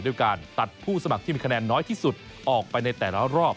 ด้วยการตัดผู้สมัครที่มีคะแนนน้อยที่สุดออกไปในแต่ละรอบ